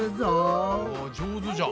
上手じゃん。